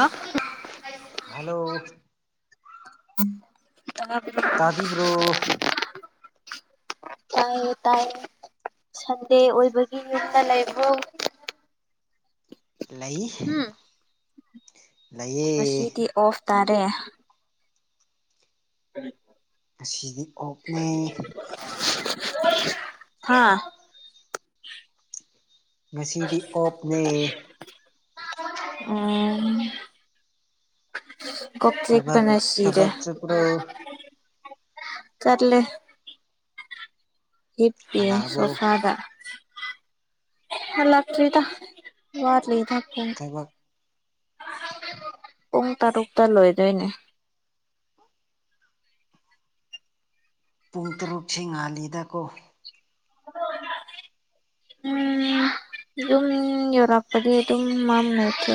ꯑ ꯍꯜꯂꯣ [inaudible] ꯇꯥꯕꯤꯕ꯭ꯔꯣ ꯇꯥꯏ ꯇꯥꯏ ꯁꯟꯗꯦ ꯑꯣꯏꯕꯒꯤ ꯉꯛꯇ ꯂꯥꯏꯕ ꯂꯩ ꯍꯨꯝ ꯂꯩꯌꯦ ꯉꯁꯤꯗꯤ ꯑꯣꯐ ꯇꯥꯔꯦ ꯉꯁꯤꯗꯤ ꯑꯣꯞꯅꯦ ꯍꯥꯥ ꯉꯁꯤꯗꯤ ꯑꯣꯞꯅꯦ ꯎꯝ ꯀꯣꯛꯇꯦꯛ ꯊꯕꯛ ꯅꯥꯔꯁꯤꯔꯤ ꯊꯕꯛ ꯆꯠꯄ꯭ꯔꯣ ꯆꯠꯂꯦ ꯍꯤꯠ ꯄ ꯍꯜꯂꯛꯑꯕꯣ ꯁꯣꯁꯥꯗ ꯍ ꯂꯥꯛꯥꯛꯗ ꯋꯥꯔ ꯂꯩꯗ ꯐ ꯊꯕꯛ ꯄꯨꯡ ꯇꯔꯨꯛꯛꯇ ꯂꯣꯏꯗꯣꯏꯅꯦ ꯄꯨꯡ ꯇꯔꯨꯛꯁꯤꯦ ꯉꯥꯜꯂꯤꯗ ꯀꯣ [inaudible] ꯎ ꯑꯗꯨꯝ ꯌꯧꯔꯥꯄꯗꯤ ꯑꯗꯨ ꯑꯗꯨꯝ ꯃꯥꯝ ꯂꯩꯇ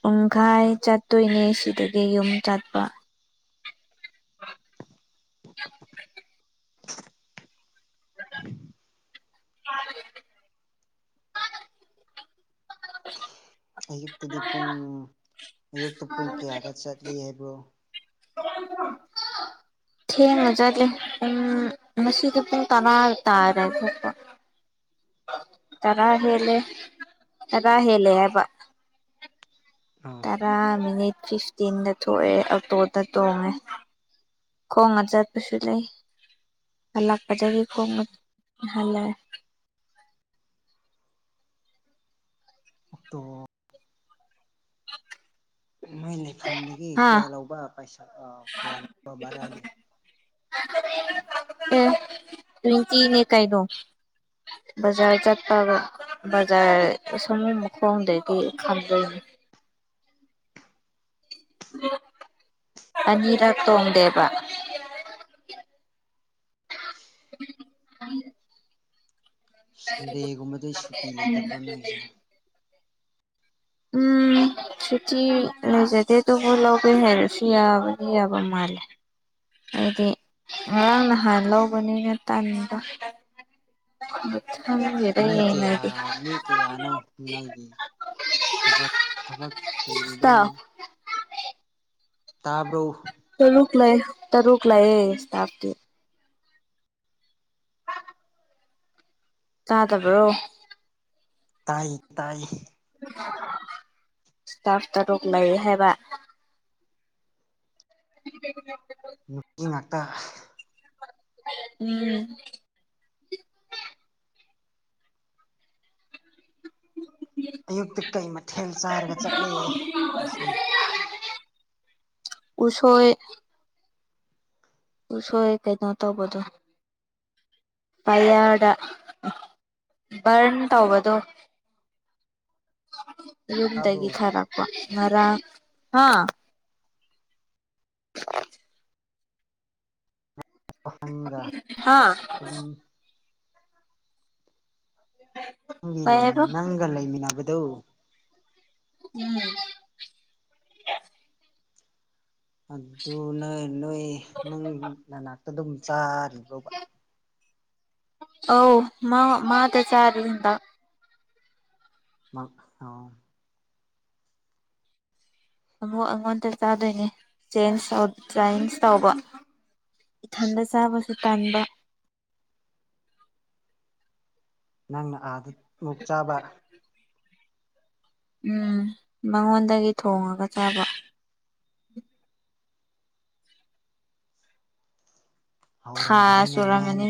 ꯄꯨꯡꯈꯥꯏ ꯆꯠꯇꯣꯏꯅꯦ ꯁꯤꯗꯒꯤ ꯌꯨꯝ ꯆꯠꯄ [inaudible] [unintelligible] ꯑꯌꯨꯛꯇꯗꯤ ꯄꯨꯡ ꯑꯌꯨꯛꯇ ꯄꯨꯡ ꯀꯌꯥꯗ ꯆꯠꯂꯤ ꯍꯥꯏꯕꯣ ꯊꯦꯡꯅ ꯆꯠꯂꯦꯝ ꯃꯁꯤꯗꯤ ꯄꯨꯡ ꯇꯅꯥ ꯇꯥꯔꯦ ꯈꯣꯠꯄ ꯇꯔꯥ ꯍꯦꯜꯂꯦ ꯇꯔꯥ ꯍꯦꯜꯂꯦ ꯍꯥꯏꯕ ꯑꯥ ꯇꯔꯥ ꯃꯤꯅꯤꯠ ꯐꯤꯐꯇꯤꯟꯗ ꯊꯣꯛꯑꯦ ꯑꯣꯛꯇꯣꯗ ꯇꯣꯡꯉꯦ ꯈꯣꯡꯅ ꯆꯠꯄꯁꯨ ꯂꯩ ꯍꯜꯂꯛꯄꯗꯒꯤ ꯈꯣꯡꯒ ꯍꯜꯂꯦ ꯑꯣꯛꯇꯣ [inaudible] ꯃꯣꯏ ꯂꯩꯐꯝꯗꯒꯤ ꯍꯥ ꯀꯌꯥ ꯂꯧꯕ ꯄꯩꯁꯥ ꯀꯌꯥ ꯂꯧꯕ ꯕꯔꯥꯗꯤ ꯑꯦ ꯇ꯭ꯋꯦꯟꯇꯤꯅꯦ ꯀꯥꯏꯩꯅꯣ ꯕꯖꯥꯔ ꯆꯠꯄꯒ ꯕꯖꯥ ꯁꯨ ꯃ ꯈꯣꯡ ꯍꯗꯗꯤ ꯈꯪꯖ ꯑꯅꯤꯔꯛ ꯇꯣꯡꯗꯦꯕ [inaudible] ꯁꯟꯗꯦꯒꯨꯝꯕꯗꯩ ꯁꯨꯇꯤ ꯂꯩꯇꯕ꯭ꯔꯣ ꯅꯣꯏꯁꯦ ꯎꯝ ꯁꯨꯇꯤ ꯂꯩꯣꯏꯖꯗꯦ ꯑꯗꯨꯕꯨ ꯂꯧꯒꯦ ꯍꯥꯏꯔꯁꯨ ꯌꯥꯕꯗꯤ ꯌꯥꯕ ꯃꯥꯜꯂꯦ ꯍꯥꯏꯗꯤ ꯉꯔꯥꯡ ꯅꯍꯥꯟ ꯂꯧꯕꯅꯤꯅ ꯇꯟꯕ ꯑꯗꯨ ꯊ ꯃꯤ ꯀꯌꯥ ꯃꯤ ꯀꯌꯥꯅꯣ ꯅꯣꯏꯒꯤ ꯕ ꯊꯕꯛ ꯁꯨꯔꯤꯗꯧꯅ ꯏꯁꯇꯥꯐ ꯇꯥꯕ꯭ꯔꯣ ꯇꯔꯨꯛ ꯂꯩ ꯇꯔꯨꯛ ꯂꯥꯛꯑꯦ ꯏꯁꯇꯥꯐꯇꯤ ꯆꯥꯗꯕ꯭ꯔꯣ ꯇꯥꯏ ꯇꯥꯏ ꯏꯁꯇꯥꯞ ꯇꯔꯣꯛꯅꯩ ꯍꯥꯏꯕ [unintelligible] ꯅꯨꯄꯤ ꯉꯥꯛꯇ ꯎꯝ ꯑꯌꯨꯛꯇ ꯀꯩ ꯃꯊꯦꯜ ꯆꯥꯔꯒ ꯆꯠꯂꯦ ꯃꯁꯤ ꯎꯁꯣꯏ ꯎꯁꯣꯏ ꯀꯩꯅꯣ ꯇꯧꯕꯗꯣ ꯄꯌꯥꯔꯗ ꯕꯔꯟ ꯇꯧꯕꯗꯣ ꯇꯥꯕ꯭ꯔꯣ ꯌꯨꯝꯗꯒꯤ ꯊꯔꯛ ꯉꯥꯔꯡ ꯍꯥꯥ ꯅꯪꯒ ꯍꯥꯥ ꯑꯗꯨꯝ [unintelligible] ꯅꯪꯒꯤ ꯍꯥꯏꯕ ꯅꯪꯒ ꯂꯩꯃꯤꯟꯅꯕꯗꯨ ꯎꯝ ꯑꯗꯨ ꯅꯣꯏ ꯅꯣꯏ ꯅꯪ ꯅꯅꯥꯛꯇ ꯑꯗꯨꯝ ꯆꯥꯔꯤꯕꯣꯕ ꯑ ꯃꯥ ꯃꯥ ꯇ ꯆꯥꯔꯤ ꯍꯟꯗꯛ ꯃꯥ ꯑ ꯑꯃꯨꯛ ꯑꯩꯉꯣꯟꯗ ꯆꯥꯗꯣꯏꯅꯦ ꯆꯦꯟꯖ ꯇꯔꯥꯟꯖ ꯇꯧꯕ ꯏꯊꯟꯗ ꯆꯥꯕꯁꯨ ꯇꯥꯟꯕ ꯅꯪꯅ ꯑꯥꯗ ꯑꯃꯨꯛ ꯆꯥꯕ ꯎꯝ ꯃꯉꯣꯟꯗꯒꯤ ꯊꯣꯡꯉꯒ ꯆꯥꯕ ꯊꯥ ꯍꯥꯎꯔꯝꯒꯅꯤꯅꯦ ꯏꯃꯥꯅ ꯁꯨꯔꯝꯃꯅꯤ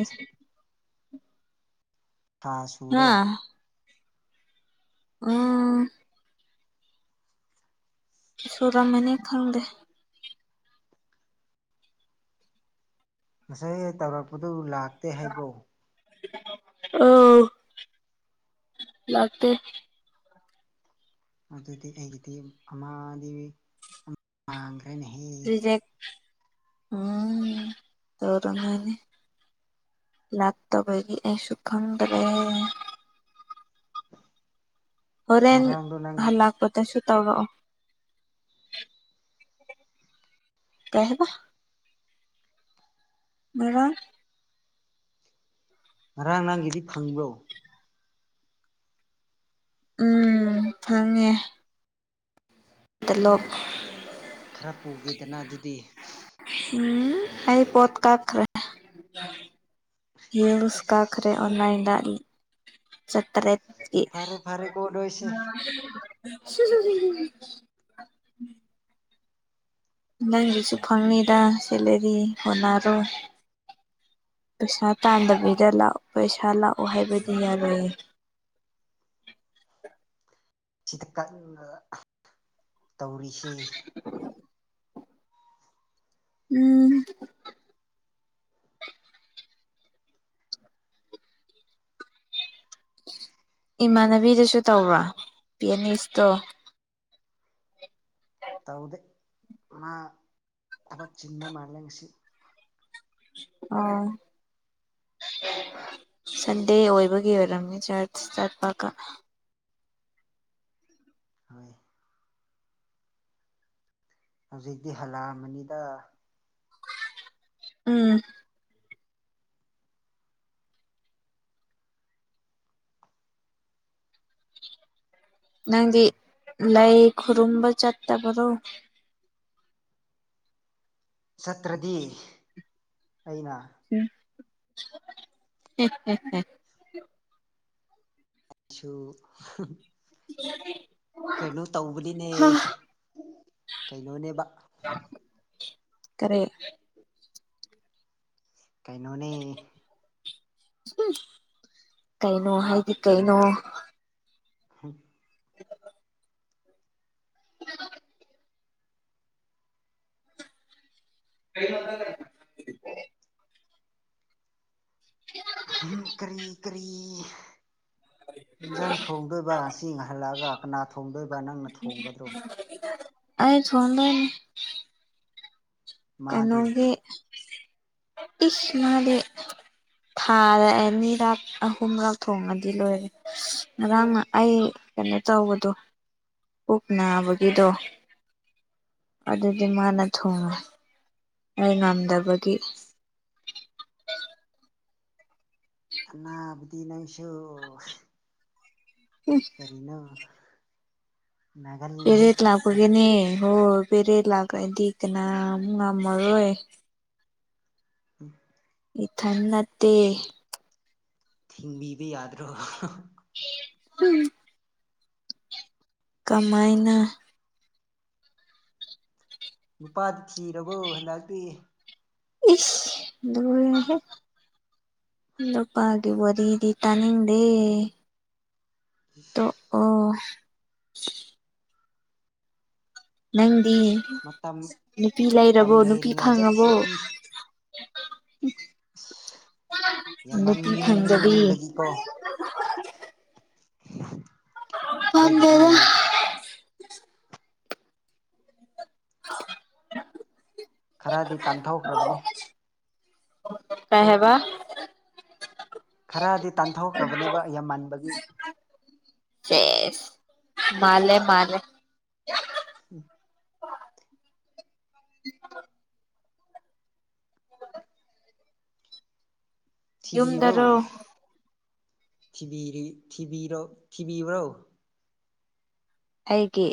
ꯊꯥ ꯍꯥ ꯁꯨꯔꯦ ꯑꯝꯝ ꯁꯨꯔꯝꯃꯅꯤ ꯈꯪꯗꯦ ꯉꯁꯥꯏ ꯇꯧꯔꯛꯄꯗꯨ ꯂꯥꯛꯇꯦ ꯍꯥꯏꯕꯎ ꯑꯎ ꯂꯥꯛꯇ ꯑꯗꯨꯗꯤ ꯑꯩꯒꯤꯗꯤ ꯑꯃꯥꯡ [unintelligible] ꯉꯦ ꯀꯩꯅꯍ‍‌ꯦ ꯔꯤꯖꯦꯛ ꯎꯝ ꯇꯧꯔꯝꯃꯅꯤ ꯂꯥꯛꯇꯕꯒꯤ ꯑꯩꯁꯨ ꯈꯪꯗ꯭ꯔꯦ ꯍꯣꯔꯦꯟ ꯉꯔꯥꯡꯗꯣ ꯅꯪꯒꯤ ꯍꯜꯂꯛꯄꯗꯁꯨ ꯇꯧꯔꯛꯑꯣ ꯀꯩꯍꯥꯏꯕ ꯉꯥꯔꯡ ꯉꯔꯥꯡ ꯅꯪꯒꯤꯗꯤ ꯐꯪꯕ꯭ꯔꯣ ꯎꯝ ꯐꯪꯉꯦ ꯇ‌ꯣꯂꯣꯞ ꯈꯔ ꯄꯨꯒ‌ꯦꯗꯅ ꯑꯗꯨꯗꯤ ꯎꯝ ꯑꯩ ꯄꯣꯠ ꯀꯥꯈ꯭ꯔꯦ ꯌꯤꯜꯁ ꯀꯥꯈ꯭ꯔꯦ ꯑꯣꯟꯂꯥꯏꯟꯗ ꯆꯇꯥꯔꯦ ꯐꯔꯦ ꯐꯔꯦ ꯀ‌ꯣ ꯅ‌ꯣꯏꯁꯦ [unintelligible] ꯅꯪꯒꯤꯁꯨ ꯐꯪꯅꯤꯗ ꯁꯦꯂꯔꯤ ꯍꯣꯠꯅꯔꯣ ꯄꯩꯁꯥ ꯇꯥꯟꯗꯕꯤꯗ ꯂꯥꯛꯑꯣ ꯄꯩꯁꯥ ꯂꯥꯛꯑꯣ ꯍꯥꯏꯕꯗꯤ ꯌꯥꯔꯣꯏꯌꯦ ꯁꯤꯗ ꯀꯟꯅ ꯇꯧꯔꯤꯁꯦ [unintelligible] ꯎꯝ ꯏꯃꯥꯟꯅꯕꯤꯗꯁꯨ ꯇꯧꯕ꯭ꯔꯥ ꯄꯤꯌꯥꯅꯤ ꯏꯁꯇꯣ ꯇꯧꯗꯦ ꯃꯥ ꯊꯕꯛ ꯆꯤꯟꯕ ꯃꯥꯜꯂꯦ ꯉꯁꯤ ꯑꯥ ꯁꯟꯗꯦ ꯑꯣꯏꯕꯒꯤ ꯑꯣꯏꯔꯝꯃꯤ ꯆꯔꯆ ꯆꯠꯄꯒ [inaudible] ꯍꯧꯖꯤꯛꯇꯤ ꯍꯜꯂꯛꯑꯝꯃꯅꯤꯗ ꯎꯝ ꯅꯪꯗꯤ ꯂꯥꯏ ꯈꯨꯔꯨꯝꯕ ꯆꯠꯇꯕꯔꯣ ꯆꯠꯇ꯭ꯔꯗꯤ ꯑꯩꯅ ꯎ ꯑꯦ ꯑꯩꯁꯨꯁꯨ ꯀꯩꯅꯣ ꯇꯧꯕꯅꯤꯅꯦ ꯍꯥ ꯀꯩꯅꯣꯅꯦꯕ ꯀꯔꯦ ꯀꯩꯅꯣꯅꯤ ꯀꯩꯅꯣ ꯍꯥꯏꯗꯤ ꯀꯩꯅꯣ [unintelligible] [inaudible] [inaudible] [unintelligible] ꯀꯔꯤ ꯀꯔꯤ ꯏꯟꯁꯥꯡ ꯊꯣꯡꯗꯣꯏꯕ ꯑꯁꯤ ꯍꯜꯂꯛꯑꯒ ꯀꯅꯥ ꯊꯣꯡꯗꯣꯏꯕ ꯅꯪꯅ ꯊꯣꯡꯒꯗ꯭ꯔꯣ ꯑꯩ ꯊꯗꯅꯤ ꯃꯥꯗꯤ ꯀꯩꯅꯣꯒꯤꯦ ꯏꯁꯃꯂꯤ ꯊꯥꯗ ꯑꯅꯤꯔꯛ ꯑꯍꯨꯝꯔꯛ ꯊꯣꯡꯉꯗꯤ ꯂꯣꯏꯔꯦ ꯉꯔꯥꯡ ꯑꯩ ꯀꯩꯅꯣ ꯇꯧꯕꯗꯣ ꯄꯨꯛ ꯅꯥꯕꯒꯤꯗꯣ ꯑꯗꯨꯗꯤ ꯃꯥꯅ ꯊꯣꯡꯉꯦ ꯑꯩ ꯉꯝꯗꯕꯒꯤ ꯑꯅꯥꯕꯗꯤ ꯅꯪꯁꯨ ꯎ ꯀꯔꯤꯅ ꯄꯦꯔꯦꯠ ꯅꯪꯁꯨ ꯂꯥꯛꯄꯒꯦꯅꯦ ꯍꯣ ꯄꯦꯔꯦꯠ ꯂꯥꯛꯒ꯭ꯔꯗꯤ ꯀꯅꯥꯝ ꯉꯝꯃꯔꯣꯏ ꯎꯝ ꯏꯊ ꯅꯠꯇꯦ ꯊꯤꯡꯕꯤꯕ ꯌꯥꯗ꯭ꯔꯣ ꯎꯝ ꯀꯃꯥꯏꯅ ꯅꯨꯄꯥꯗꯤ ꯊꯤꯔꯕꯣ ꯍꯟꯗꯛꯇꯤ ꯏꯁ ꯂꯔꯦ ꯏꯗꯄꯥꯒꯤꯦ ꯋꯥꯔꯤꯔꯤꯗꯤ ꯇꯅꯤꯡꯗꯦ ꯇꯣ ꯑꯣ ꯅꯪꯗꯤ ꯃꯇꯝ ꯅꯨꯄꯤ ꯃꯇꯝ ꯂꯩꯔꯕꯣ ꯅꯨꯄꯤ ꯂꯩꯔꯤꯉꯩꯗ ꯐꯪꯉꯕꯣ ꯊꯤꯗꯤ ꯅꯨꯄꯤ ꯐꯪꯗꯕꯤ ꯌꯥꯝꯃꯟꯕꯒꯤ ꯀꯣ [inaudible] ꯑꯩꯈꯣꯏꯒꯤꯗꯤ ꯄꯥꯝꯗꯦꯗ [inaudible] ꯈꯔꯗꯤ ꯇꯥꯟꯊꯣꯛꯈ꯭ꯔꯕꯅꯤ ꯀꯍꯕ ꯈꯔꯗꯤ ꯇꯥꯟꯊꯣꯛꯈ꯭ꯔꯕꯅꯦꯕ ꯌꯥꯝꯃꯟꯕꯒꯤ ꯆꯦꯁ ꯃꯥꯂꯦ ꯃꯥꯂꯦ ꯎꯝ [unintelligible] ꯊꯤꯕꯤꯕ꯭ꯔꯣꯣ ꯌꯨꯝꯗꯔꯣ ꯊꯤꯕꯤꯕ꯭ꯔꯣ ꯑꯩꯒꯤ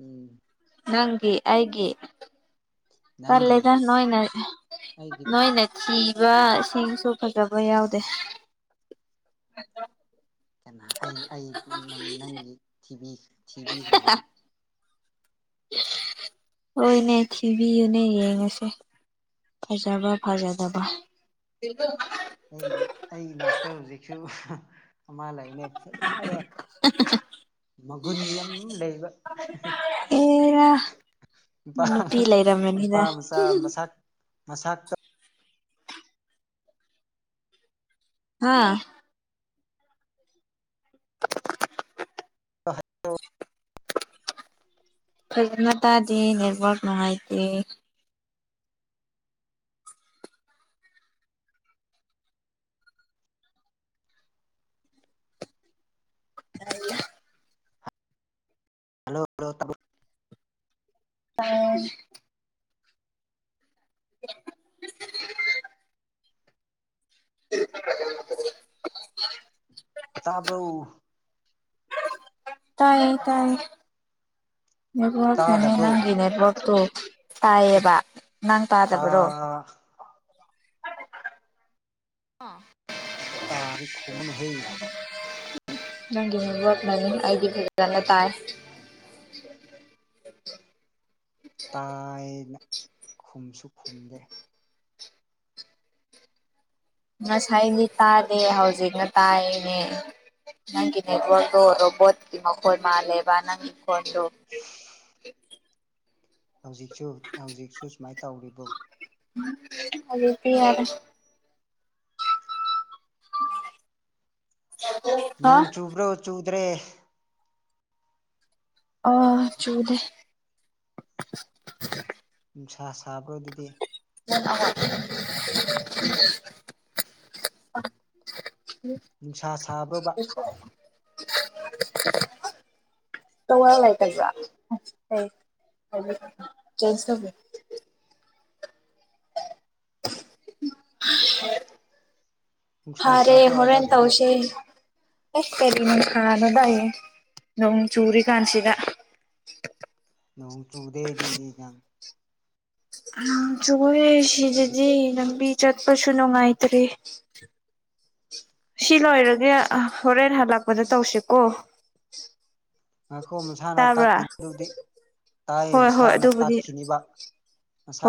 ꯎꯝ ꯅꯪꯒꯤ ꯑꯩꯒꯤ ꯅꯪꯒꯤ ꯄꯂꯗ ꯅꯣꯏꯅ ꯑꯩꯒꯤꯗꯤ ꯅꯣꯏꯅ ꯁꯤꯕ ꯏꯁꯤꯡꯁꯨ ꯐꯖꯕ ꯌꯥꯎꯗꯦ ꯀꯩꯅ ꯑꯩ ꯅꯪꯒꯤ ꯊꯤꯕꯤꯈ꯭ꯔꯕꯣ ꯍꯣꯏꯅꯦ ꯊꯤꯕꯤꯌꯨꯅꯦ ꯌꯦꯡꯉꯁꯦ ꯐꯖꯕ ꯐꯖꯗꯕ ꯑꯩ ꯑꯩ ꯏꯅꯥꯛꯇ ꯍꯧꯖꯤꯛꯁꯨ ꯑꯃ ꯂꯩꯅꯦ ꯐꯖꯕ ꯃꯒꯨꯟ ꯌꯥꯝ ꯂꯩꯕ ꯑꯦꯔꯥ ꯅꯨꯄꯥ ꯅꯨꯄꯤ ꯅꯨꯄꯥ ꯂꯩꯔꯝꯃꯅꯤꯗ ꯃꯆꯥ ꯃꯁ ꯃꯁꯇ ꯍꯥꯥ [unintelligible] ꯐꯖ ꯃꯇꯇꯥꯥꯗꯤ ꯅꯦꯠꯋꯔꯛ ꯅꯨꯡꯉꯥꯏꯇꯦ ꯑ ꯍꯜꯂꯣ ꯍꯂ ꯇꯥꯏ [inaudible] [inaudible] ꯇꯥꯕ꯭ꯔꯎ ꯇꯥꯏꯌꯦ ꯇꯥꯏ ꯅꯦ ꯅꯪ ꯇꯥꯗꯕ꯭ꯔꯣ ꯅꯦꯠꯋꯛ ꯇ ꯑꯦ ꯇꯥꯏꯌꯦꯕ ꯅꯪ ꯇꯥꯗꯕꯔꯣ ꯇꯥ ꯑꯥ ꯇꯥꯔꯈꯃꯅ ꯍꯦ ꯅꯪꯒꯤ ꯃꯤꯕꯅꯃꯤ ꯑꯩꯗꯤ ꯐꯖꯅ ꯇꯥꯏ ꯇꯥꯏꯅ ꯈꯨꯝꯁꯨ ꯈꯨꯝꯗꯦ ꯉꯁꯥꯏꯗꯤ ꯇꯥꯗꯦ ꯍꯧꯖꯤꯛꯅ ꯇꯥꯏꯅꯦ ꯅꯪꯒꯤ ꯅꯠ ꯋꯥꯒ ꯔꯣꯕꯣꯠ ꯃꯈꯣꯜ ꯃꯥꯂꯦꯕ ꯅꯪ ꯏꯟꯀꯣꯟ ꯍꯧꯖꯤꯛꯁꯨ ꯍꯧꯖꯤꯛꯁꯨ ꯁꯨꯃꯥꯏꯅ ꯇꯧꯔꯤꯕꯣ ꯑꯗꯨ ꯐ ꯌꯥꯔ ꯎ [unintelligible] ꯅꯣꯡ ꯆꯨꯕ꯭ꯔꯣ ꯆꯨꯗ꯭ꯔꯦ ꯑ ꯆꯨꯗꯦ ꯅꯨꯡꯁꯥ ꯁꯥꯕ꯭ꯔ ꯑꯗꯨꯗꯤ [unintelligible] [inaudible] ꯅꯨꯡꯁꯥ ꯁꯥꯕ꯭ꯔꯣꯕ [inaudible] [inaudible] ꯇꯧꯉ ꯂꯏꯖ ꯇ ꯅꯨꯡꯁꯥ ꯐꯔꯦ ꯁꯥꯕ꯭ꯔꯣ ꯑꯗ ꯍꯣꯔꯦꯟ ꯑꯗꯨꯗꯤ ꯇꯧꯁꯦ ꯑꯦꯁ ꯀꯔꯤꯅꯅꯨꯡ ꯈꯥꯅꯣꯗꯥꯏꯌꯦꯡ ꯅꯣꯡ ꯆꯨꯔꯤ ꯀꯥꯟꯁꯤꯗ ꯅꯣꯡ ꯆꯨꯗꯦꯗꯤꯗꯤ ꯅꯪ ꯎ ꯆꯣꯏꯦ ꯍꯧꯖꯤꯛ ꯁꯤꯗꯗꯤ ꯂꯝꯕꯤ ꯆꯠꯄꯁꯨ ꯅꯨꯡꯉꯥꯏꯇ꯭ꯔꯦ ꯁꯤ ꯂꯣꯏꯔꯒꯦ ꯍꯣꯔꯦꯟ ꯍꯜꯂꯛꯄꯗ ꯇꯧꯁꯤꯀꯣ ꯉꯈꯣꯡ ꯃꯁꯥꯅ ꯇꯥꯕ꯭ꯔꯥ ꯇꯥꯠꯈꯤꯅꯤꯗꯨꯗꯤ ꯇꯥꯏ ꯍꯣꯏ ꯍꯣꯏ ꯃꯁꯥꯅ ꯑꯗꯨꯕꯨꯗꯤ ꯇꯥꯠꯈꯤꯅꯤꯕ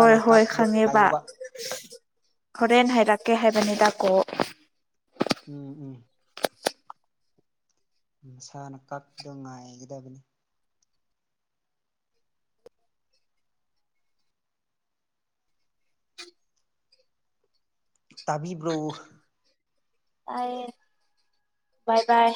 ꯍꯣꯏ ꯍꯣꯏ ꯀꯛꯄꯗꯣ ꯈꯪꯉꯦꯕ ꯉꯥꯏꯌꯨꯕ ꯍꯣꯔꯦꯟ ꯍꯥꯏꯔꯛꯀꯦ ꯍꯥꯏꯕꯅꯤꯗ ꯀꯣ ꯎꯝ ꯎꯝ ꯃꯁꯥꯅ ꯀꯛꯄꯗꯣ ꯉꯥꯏꯒꯗꯕꯅꯤ ꯇꯥꯕꯤꯕ꯭ꯔꯣ ꯇꯥꯏ ꯕꯥꯏ ꯕꯥꯏ